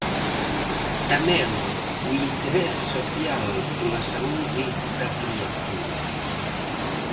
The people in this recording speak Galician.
Tamén o interese social pola saúde da criatura.